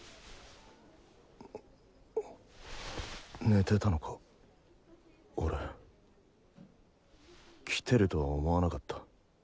寝てたのか俺。来てるとは思わなかった。